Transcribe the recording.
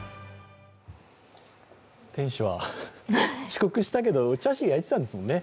店主は遅刻したけどチャーシュー焼いてたんですもんね、